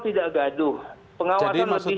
tidak gaduh pengawasan lebih efektif lagi